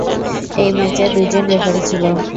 এই ম্যাচে দুইজন রেফারী ছিল।